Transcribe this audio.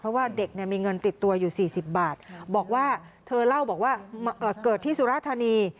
เพราะว่าเด็กเนี่ยมีเงินติดตัวอยู่๔๐บาทบอกว่าเธอเล่าบอกว่าเกิดที่สุราธานี